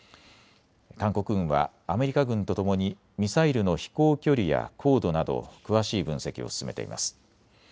韓国軍はアメリカ軍とともにミサイルの飛行距離や高度など詳しい分析を進めています。